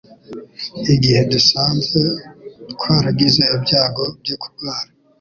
igihe dusanze twaragize ibyago byo kurwara